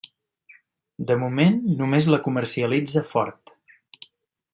De moment, només la comercialitza Ford.